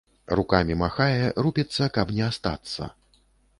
Рукамі махае, рупіцца, каб не астацца.